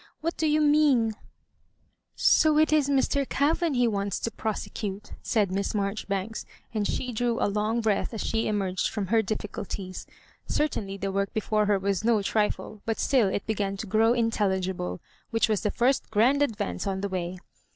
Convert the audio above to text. what do you mean ?"So it is Mr. Kavan he wants to prosecute/' said Miss Maijoribanks ; and she drew a long breath as she emerged from her difficulties. Cer tainly the work before her was no trifle ; but still it began to grow intelligible, which was the first grand adyance on the way.